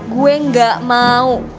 gue gak mau